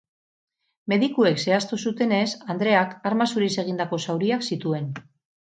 Medikuek zehaztu zutenez, andreak arma zuriz egindako zauriak zituen.